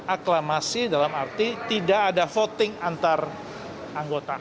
aklamasi dalam arti tidak ada voting antar anggota